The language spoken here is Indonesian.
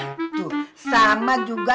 hah tuh sama juga